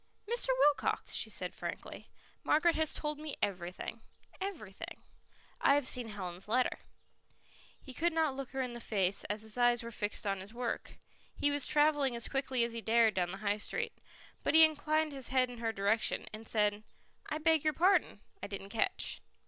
"Mr. Wilcox," she said frankly. "Margaret has told me everything everything. I have seen Helen's letter." He could not look her in the face, as his eyes were fixed on his work; he was travelling as quickly as he dared down the High Street. But he inclined his head in her direction, and said, "I beg your pardon; I didn't catch."